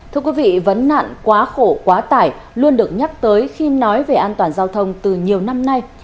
thưa quý vị vấn nạn quá khổ quá tải luôn được nhắc tới khi nói về an toàn giao thông từ nhiều năm nay